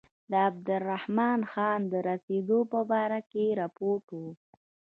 د عبدالرحمن خان د رسېدلو په باره کې رپوټ و.